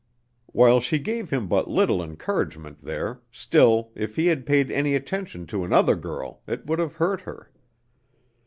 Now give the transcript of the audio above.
While she gave him but little encouragement there, still if he had paid any attention to another girl it would have hurt her.